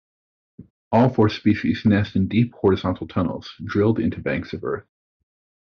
All four species nest in deep horizontal tunnels drilled into banks of earth.